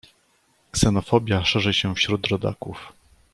Ksenofobia szerzy się wśród rodaków.